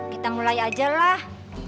kita mulai ajar lah